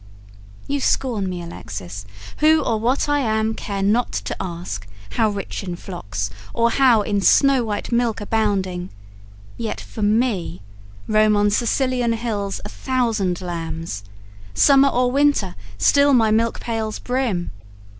You scorn me, Alexis, who or what I am Care not to ask how rich in flocks, or how In snow white milk abounding: yet for me Roam on Sicilian hills a thousand lambs; Summer or winter, still my milk pails brim.